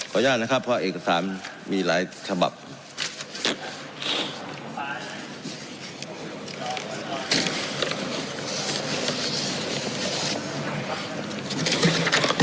อนุญาตนะครับเพราะเอกสารมีหลายฉบับ